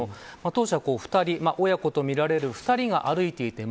当時は、親子とみられる２人が歩いていた。